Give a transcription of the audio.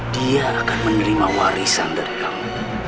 dia akan menerima warisan dari kamu